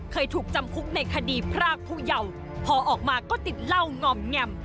เคยถูกจำคุกในคดีพรากผู้เยาว์พอออกมาก็ติดเหล้างอมแงม